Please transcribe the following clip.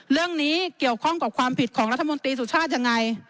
เรื่องนี้เกี่ยวข้องกับความผิดของรัฐมนตรีสุชาติยังไง